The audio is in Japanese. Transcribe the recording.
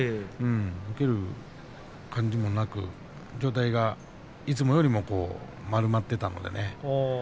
受ける感じもなく上体が、いつもよりも丸まっていたのでね。